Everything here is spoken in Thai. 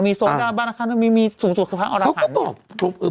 มีสวดาบันมีสวดอรหัน